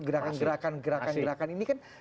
gerakan gerakan gerakan gerakan ini kan